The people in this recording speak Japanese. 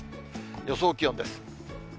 予想気温です。